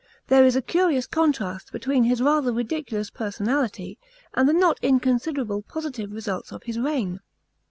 There is a curious contrast between his rather ridiculous personality and the not inconsiderable positive results of his reign.